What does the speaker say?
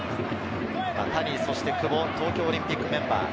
谷、久保、東京オリンピックメンバー。